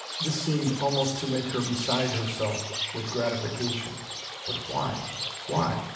This seemed almost to make her beside herself with gratification. But why, why?